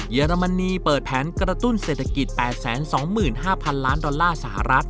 อรมนีเปิดแผนกระตุ้นเศรษฐกิจ๘๒๕๐๐๐ล้านดอลลาร์สหรัฐ